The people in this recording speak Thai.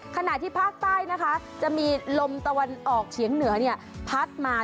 ขณะที่ภาคใต้นะคะจะมีลมตะวันออกเฉียงเหนือพัดมา